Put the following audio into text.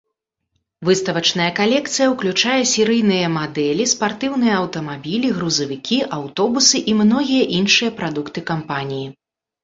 Выставачная калекцыя ўключае серыйныя мадэлі, спартыўныя аўтамабілі, грузавікі, аўтобусы і многія іншыя прадукты кампаніі.